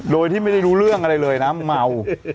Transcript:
โดยที่ไม่ได้รู้เรื่องอะไรเลยนะเมา